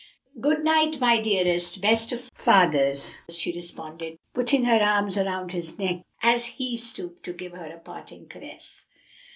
"Good night, my dearest, best of fathers," she responded, putting her arms round his neck as he stooped to give her a parting caress.